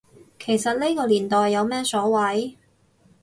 其實呢個年代有咩所謂